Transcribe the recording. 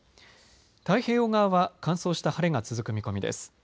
太平洋側は乾燥した晴れが続く見込みです。